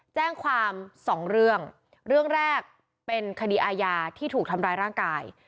แจ้งความสองเรื่องเรื่องแรกเป็นคดีอาญาที่ถูกทำร้ายร่างกาย